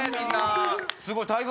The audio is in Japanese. すごい。